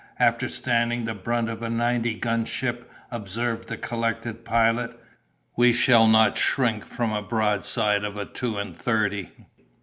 "After standing the brunt of a ninety gun ship," observed the collected Pilot, "we shall not shrink from the broadside of a two and thirty."